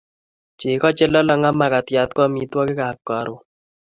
Chego che lolong ak makatiaT ko amitwogik ap karon